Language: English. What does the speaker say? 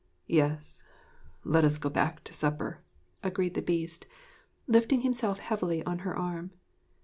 'Yes, let us go back to supper, 'agreed the Beast, lifting himself heavily on her arm.